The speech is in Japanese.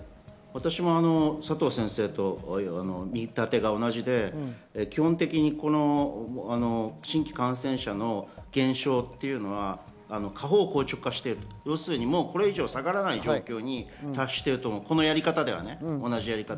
私も佐藤先生と見立てが同じで、基本的に新規感染者の減少は、下方直下して、もうこれ以上下がらない状況に達していると、このやり方では。